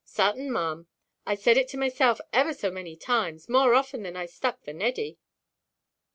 "Sartin, maʼam. I said it to myself ever so many times; more often than I stuck the Neddy."